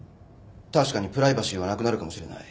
確かにプライバシーはなくなるかもしれない。